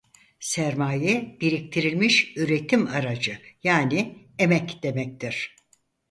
Sermaye biriktirilmiş üretim aracı yani emek demektir.